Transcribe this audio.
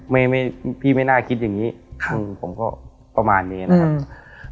ไม่ไม่พี่ไม่น่าคิดอย่างงี้ค่ะอืมผมก็ประมาณนี้นะครับอืม